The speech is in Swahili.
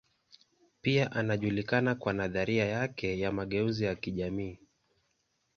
Pia anajulikana kwa nadharia yake ya mageuzi ya kijamii.